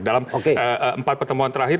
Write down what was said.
dalam empat pertemuan terakhir